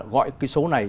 gọi cái số này